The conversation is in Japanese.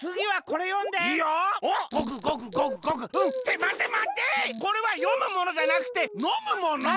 これはよむものじゃなくてのむもの！